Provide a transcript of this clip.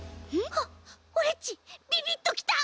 あっオレっちビビッときた！